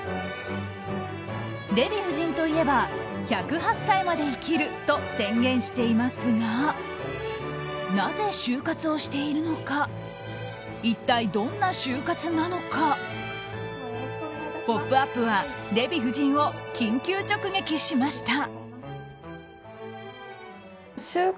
デヴィ夫人といえば１０８歳まで生きると宣言していますがなぜ終活をしているのか一体どんな終活なのか「ポップＵＰ！」はデヴィ夫人を緊急直撃しました。